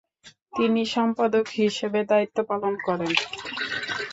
তিনি সম্পাদক হিসেবে দায়িত্ব পালন করেন।